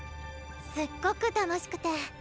すっごく楽しくて。